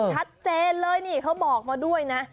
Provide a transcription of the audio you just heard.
ชัดเจนเลยนี่เขาบอกมาด้วยนะ